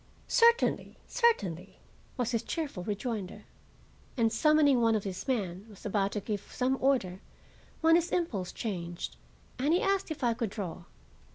"Certainly, certainly," was his cheerful rejoinder; and, summoning one of his men, he was about to give some order, when his impulse changed, and he asked if I could draw.